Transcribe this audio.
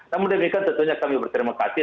namun demikian tentunya kami berterima kasih